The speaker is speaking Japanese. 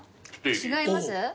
違います？